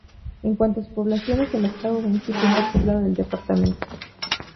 En cuanto a su población, es el octavo municipio más poblado del departamento.